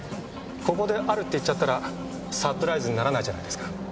ここで「ある」って言っちゃったらサプライズにならないじゃないですか。